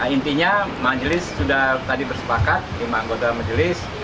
intinya majelis sudah tadi bersepakat lima anggota majelis